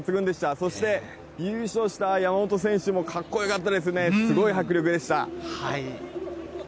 そして優勝した山元選手もかっこよかったですね、すごい迫力でした。